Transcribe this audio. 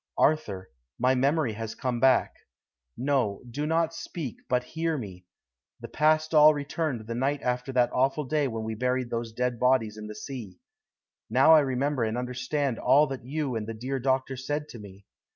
'Arthur, my memory has come back. No, do not speak, but hear me. The past all returned the night after that awful day when we buried those dead bodies in the sea. I now remember and understand all that you and the dear doctor said to me.